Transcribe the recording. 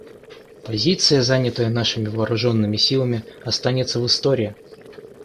Позиция, занятая нашими вооруженными силами, останется в истории.